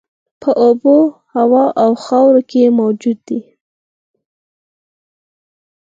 په اوبو، هوا او خاورو کې موجود دي.